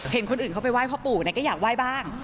เห็นคนอื่นเขาไปไหว้พ่อปู่ก็อยากไหว้บ้าง